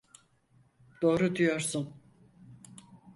Doğru diyorsun.